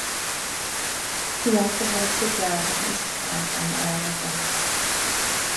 He also had a shipyard in East Cowes on the Isle of Wight.